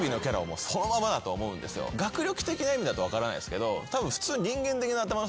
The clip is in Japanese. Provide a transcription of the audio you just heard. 学力的な意味だと分からないですけど。